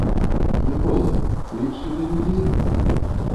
Мікола, кліч сюды людзей?